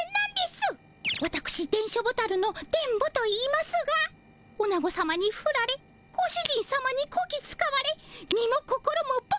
わたくし電書ボタルの電ボといいますがオナゴさまにフラれご主人さまにこき使われ身も心もボッコボコ。